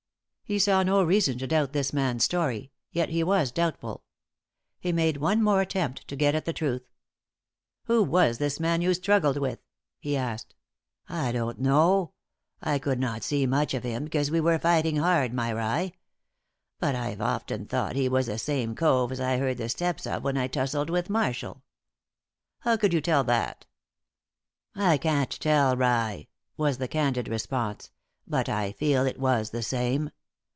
He saw no reason to doubt this man's story; yet he was doubtful. He made one more attempt to get at the truth. "Who was this man you struggled with?" he asked. "I don't know I could not see much of him because we were fighting hard, my rye. But I've often thought he was the same cove as I heard the steps of when I tusselled with Marshall." "How could you tell that?" "I can't tell, rye," was the candid response, "but I feel it was the same.